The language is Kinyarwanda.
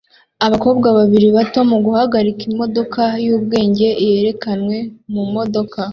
Abakobwa babiri bato muguhagarika imodoka yubwenge yerekanwe mumodoka